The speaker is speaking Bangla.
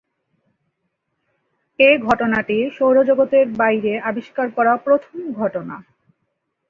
এ ঘটনাটি সৌরজগতের বাইরে আবিষ্কার করা প্রথম ঘটনা।